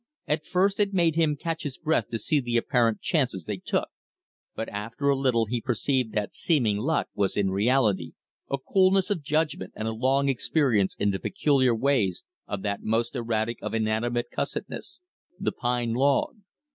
At first it made him catch his breath to see the apparent chances they took; but after a little he perceived that seeming luck was in reality a coolness of judgment and a long experience in the peculiar ways of that most erratic of inanimate cussedness the pine log.